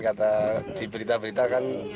kata di berita berita kan